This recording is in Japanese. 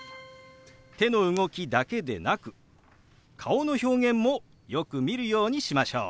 手の動きだけでなく顔の表現もよく見るようにしましょう。